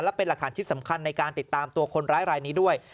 และเป็นหลักฐานชิ้นสำคัญในการติดตามตัวคนร้ายรายนี้ด้วย